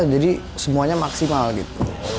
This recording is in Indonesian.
jadi semuanya maksimal gitu